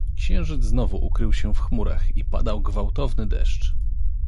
"Księżyc znowu ukrył się w chmurach i padał gwałtowny deszcz."